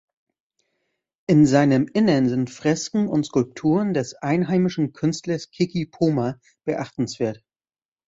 In seinem Innern sind Fresken und Skulpturen des einheimischen Künstlers Kiki Poma beachtenswert.